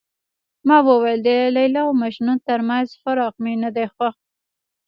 ما وویل د لیلا او مجنون ترمنځ فراق مې نه دی خوښ.